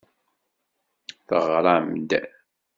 Teɣram-d.